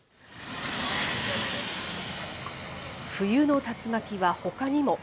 冬の竜巻はほかにも。